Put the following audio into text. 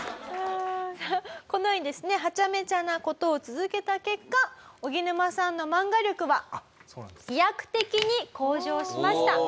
さあこのようにですねハチャメチャな事を続けた結果おぎぬまさんの漫画力は飛躍的に向上しました。